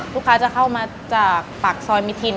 ลูกค้าจะเข้ามาจากต่อเสอยมิถิน